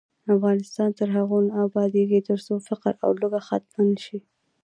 افغانستان تر هغو نه ابادیږي، ترڅو فقر او لوږه ختمه نشي.